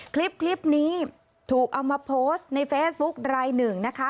คลิปนี้ถูกเอามาโพสต์ในเฟซบุ๊กรายหนึ่งนะคะ